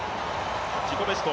自己ベスト